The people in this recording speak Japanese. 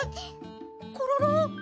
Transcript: コロロ！？